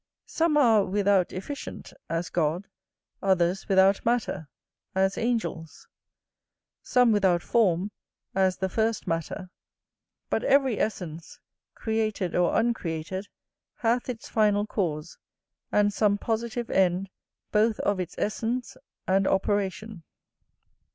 Some are without efficient, as God; others without matter, as angels; some without form, as the first matter: but every essence, created or uncreated, hath its final cause, and some positive end both of its essence and operation.